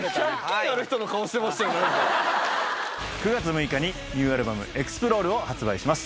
９月６日にニューアルバム「ＥＸＰＬＯＲＥ」を発売します